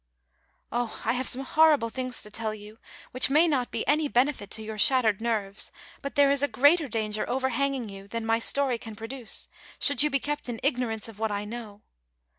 " Oh ! I have some horrible things to tell you, which may not be any benefit to your sliattered nerves ; but, there is a greater danger overhanging you than my story can pro duce, should you be kept in ignorance of what I know.